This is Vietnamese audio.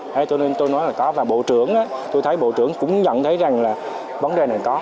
thế cho nên tôi nói là có và bộ trưởng tôi thấy bộ trưởng cũng nhận thấy rằng là vấn đề này có